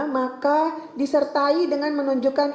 maka disertai dengan menunjukkan